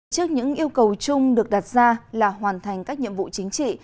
trước những yêu cầu chung được đặt ra là hoàn thành các nhiệm vụ chính trị